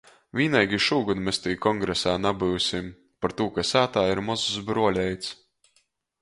Vīneigi šūgod mes tī kongresā nabyusim, partū ka sātā ir mozs bruoleits.